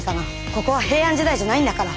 ここは平安時代じゃないんだから。